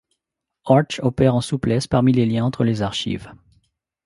Arch opère en souplesse parmi les liens entre les archives.